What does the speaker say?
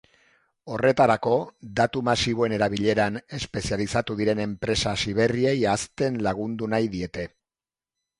Horretarako, datu masiboen erabileran espezializatu diren enpresa hasiberriei hazten lagundu nahi diete.